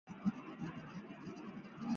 鸦鹃属为鹃形目杜鹃科的一属。